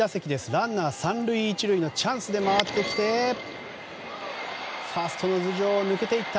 ランナー３塁１塁のチャンスで回ってきてファーストの頭上を抜けていった。